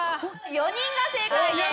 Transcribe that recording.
４人が正解です。